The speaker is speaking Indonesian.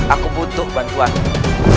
aku butuh bantuanmu